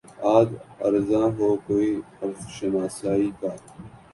آج ارزاں ہو کوئی حرف شناسائی کا